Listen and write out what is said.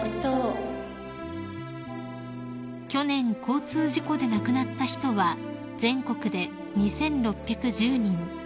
［去年交通事故で亡くなった人は全国で２，６１０人］